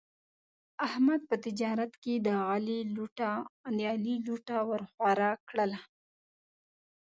احمد په تجارت کې د علي لوټه ور هواره کړله.